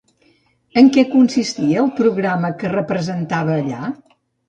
En què consistia el programa que presentava allà?